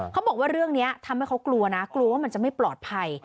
เขาบอกว่าเรื่องนี้ทำให้เขากลัวนะกลัวว่ามันจะไม่ปลอดภัย